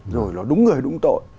rồi nó đúng người đúng tội